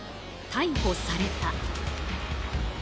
逮捕された。